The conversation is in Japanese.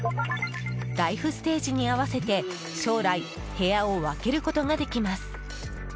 ライフステージに合わせて、将来部屋を分けることができます。